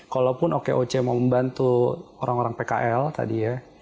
kalaupun okoc mau membantu orang orang pkl tadi ya